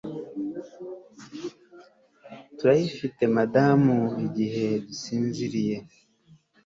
Turayifite Madamu igihe dusinziriye